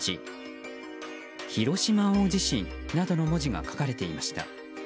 「広島大地震」などの文字が書かれていました。